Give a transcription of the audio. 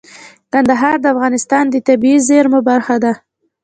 کندهار د افغانستان د طبیعي زیرمو برخه ده.